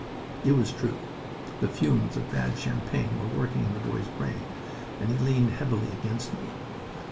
It was true. The fumes of bad champagne were working in the boy's brain, and he leaned heavily against me.